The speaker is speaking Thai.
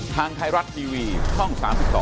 ทางไทยรัฐทีวีช่อง๓๒